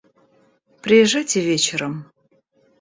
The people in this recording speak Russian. Приезжайте вечером.